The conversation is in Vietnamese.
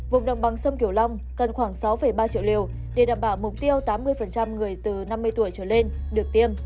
vùng đồng bằng sông kiểu long cần khoảng sáu ba triệu liều để đảm bảo mục tiêu tám mươi người từ năm mươi tuổi trở lên được tiêm